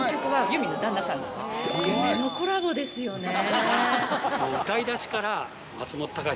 夢のコラボですよね